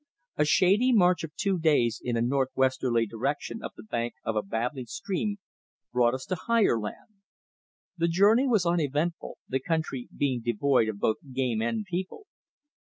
A shady march of two days in a north westerly direction up the bank of a babbling stream brought us to higher land. The journey was uneventful, the country being devoid of both game and people.